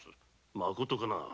まことかな。